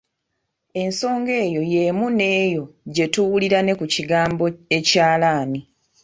Ensonga eno y'emu n'eyo gye tuwulira ne ku kigambo ekyalaani.